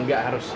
enggak harus ya